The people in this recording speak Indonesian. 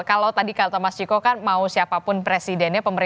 kalau tadi kata mas ciko kan mau siapapun presidennya pemerintah